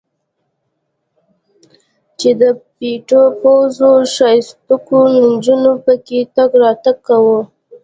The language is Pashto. چې د پيتو پوزو ښايستوکو نجونو پکښې تګ راتګ کاوه.